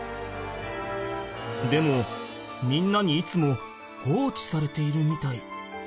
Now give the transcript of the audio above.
でもみんなにいつも放置されているみたい。